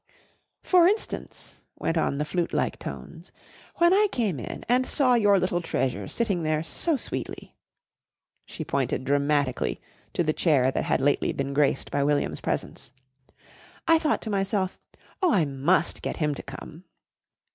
"For instance," went on the flute like tones, "when I came in and saw your little treasure sitting there so sweetly," she pointed dramatically to the chair that had lately been graced by William's presence, "I thought to myself, 'Oh, I must get him to come.'